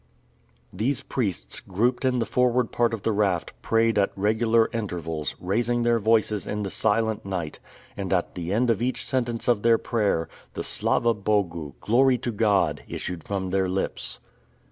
These priests, grouped in the forward part of the raft, prayed at regular intervals, raising their voices in the silent night, and at the end of each sentence of their prayer, the "Slava Bogu," Glory to God! issued from their lips.